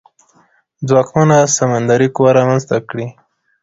ځواکمنه سمندري قوه رامنځته کړي.